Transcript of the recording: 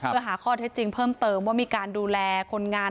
เพื่อหาข้อเท็จจริงเพิ่มเติมว่ามีการดูแลคนงาน